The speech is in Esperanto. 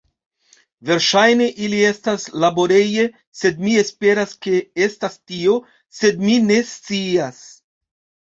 Verŝajne ili estas laboreje, sed mi esperas ke estas tio, sed mi ne scias.